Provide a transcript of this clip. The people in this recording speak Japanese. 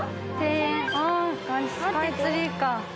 スカイツリーか。